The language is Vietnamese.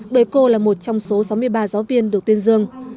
bởi cô là một trong số sáu mươi ba giáo viên được tuyên dương